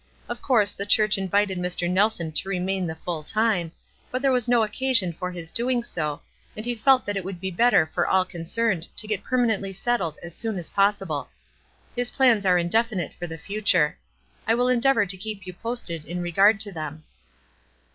Of course the church invited Mr. Nelson to remain the full time; but there was no occasion for his doing so, and he felt that it would be better for all concerned to get WISE AND OTHERWISE. 349 permanently settled as soon as possible. His plans are indefinite for the future. I will en deavor to keep you posted in regard to them."